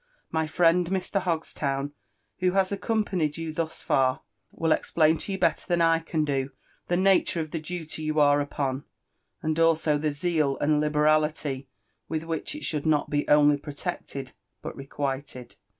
My friend Mr. H.)g stown, who has accompanied you thus far, will explain to you belter than I can do the nature of the duly ybu are upon — and also Ihe zeal and liberality with which it shall be not only protected, but requited."